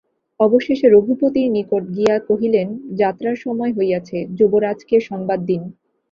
অবশেষে রঘুপতির নিকট গিয়া কহিলেন, যাত্রার সময় হইয়াছে, যুবরাজকে সংবাদ দিন।